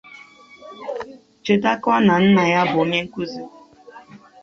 Chetekwa na nna ya bụ onye nkuzi